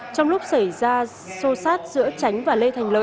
trong lúc xảy ra xô xát giữa tránh và lê thành lợi